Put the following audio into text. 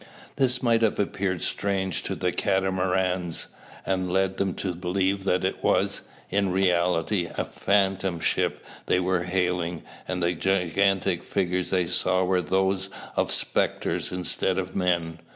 This might have appeared strange to the Catamarans, and led them to believe that it was, in reality, a phantom ship they were hailing, and the gigantic figures they saw were those of spectres instead of men.